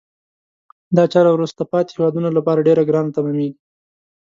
دا چاره وروسته پاتې هېوادونه لپاره ډیره ګرانه تمامیږي.